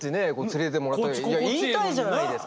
言いたいじゃないですか。